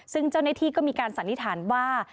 ซึ่งเจ้าหน้าที่ก็มีการสันนิษฐานว่า